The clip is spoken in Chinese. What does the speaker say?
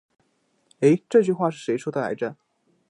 欸，这句话是谁说的来着。